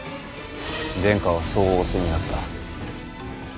殿下はそう仰せになった。